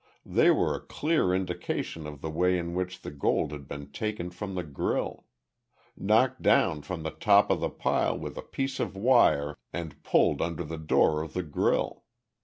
They were a clear indication of the way in which the gold had been taken from the grille knocked down from the top of the pile with a piece of wire and pulled under the door of the grille.